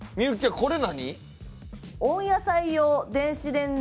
これ何？